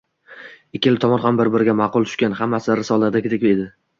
Ikkala tomon ham bir-biriga ma`qul tushgan, hammasi risoladagidek edi